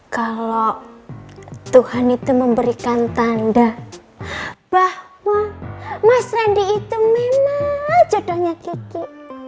kalau tuhan itu memberikan tanda bahwa mas randy itu memang jatuhnya kiki